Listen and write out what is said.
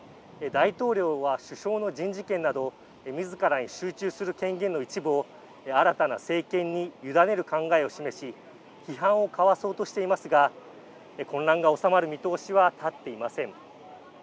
大統領は首相の人事権などみずからに集中する権限の一部を新たな政権にゆだねる考えを示し批判をかわそうとしていますが混乱が収まる見通しは立っていません。